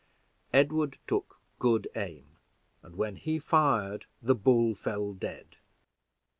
Edward took good aim, and when he fired the bull fell dead.